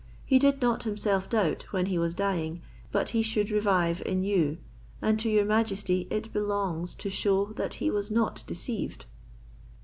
He did not himself doubt, when he was dying, but he should revive in you, and to your majesty it belongs to show that he was not deceived."